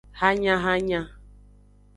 Hanyahanya.